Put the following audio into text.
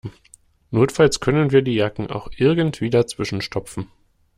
Notfalls können wir die Jacken auch irgendwie dazwischen stopfen.